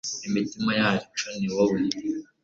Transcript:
imitima yacu ni wowe